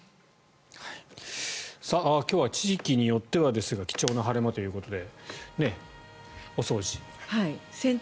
今日は地域によっては貴重な晴れ間ということでお掃除、お洗濯。